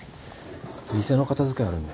店の片付けあるんで。